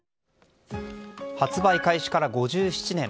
発売開始から５７年。